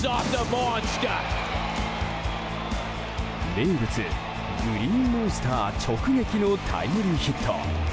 名物グリーンモンスター直撃のタイムリーヒット。